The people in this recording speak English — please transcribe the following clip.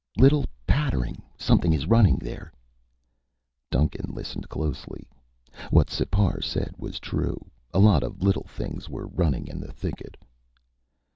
"Little pattering. Something is running there." Duncan listened closely. What Sipar said was true. A lot of little things were running in the thicket.